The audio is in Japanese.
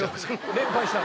連敗したら？